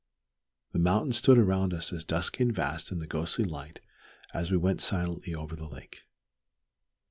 The mountains stood around us dusky and vast in the ghostly light as we went silently over the lake.